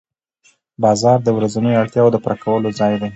بازار د ورځنیو اړتیاوو د پوره کولو ځای دی